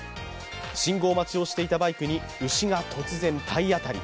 信号待ちをしていたバイクに牛が突然、体当たり。